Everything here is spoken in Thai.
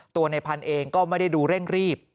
ตัวในพันธุ์เองก็ไม่ได้ดูเร่งรีบ